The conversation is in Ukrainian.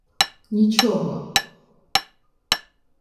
— Нічого.